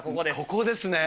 ここですね。